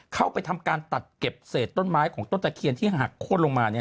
เข้าไปทำการตัดเก็บเศษต้นไม้ของต้นตะเคียนที่หักโค้นลงมา